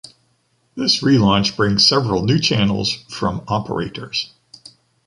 This relaunch brings several new channels from operators.